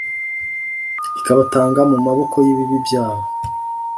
ikabatanga mu maboko y’ibibi byabo,